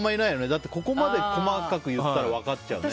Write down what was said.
だって、ここまで細かく言ったら分かっちゃうよね。